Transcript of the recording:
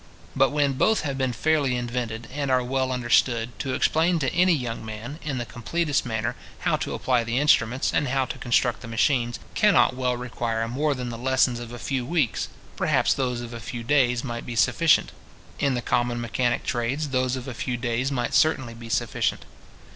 But when both have been fairly invented, and are well understood, to explain to any young man, in the completest manner, how to apply the instruments, and how to construct the machines, cannot well require more than the lessons of a few weeks; perhaps those of a few days might be sufficient. In the common mechanic trades, those of a few days might certainly be sufficient.